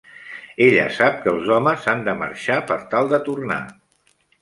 Ella sap que els homes han de marxar per tal de tornar.